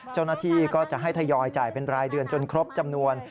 เจ้าหน้าที่ก็จะให้ทยอยจ่ายเป็นรายเดือนจนครบจำนวน